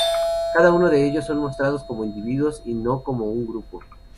Cada uno de ellos son mostrados como individuos y no como un grupo.